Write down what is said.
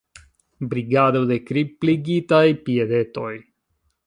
Brigado de kripligitaj piedetoj.